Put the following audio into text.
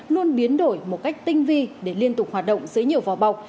luôn biến đổi một cách tinh vi để liên tục hoạt động dưới nhiều vỏ bọc